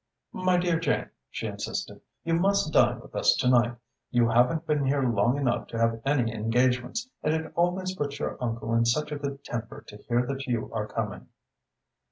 "My dear Jane," she insisted, "you must dine with us to night. You haven't been here long enough to have any engagements, and it always puts your uncle in such a good temper to hear that you are coming."